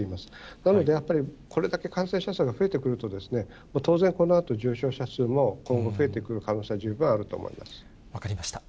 なので、やっぱり、これだけ感染者数が増えてくると、当然このあと重症者数も今後、増えてくる可能性は十分あると思分かりました。